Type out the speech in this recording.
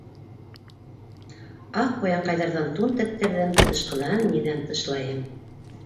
Ак куянкайҙарҙан тун тектерҙем - Тышҡынаһын ниҙән тышлайым?